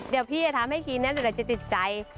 เดี๋ยวพี่จะทำให้กินนะเดี๋ยวเราจะติดใจ